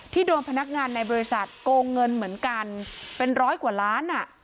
โดนพนักงานในบริษัทโกงเงินเหมือนกันเป็นร้อยกว่าล้าน